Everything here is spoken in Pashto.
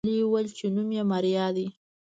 نجلۍ وويل چې نوم يې ماريا دی.